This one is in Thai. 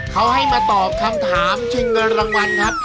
เขาให้มาตอบคำถามชิงเงินรางวัลครับ